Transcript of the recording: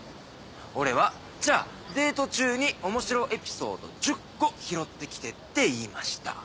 俺は「じゃあデート中におもしろエピソード１０個拾ってきて」って言いました。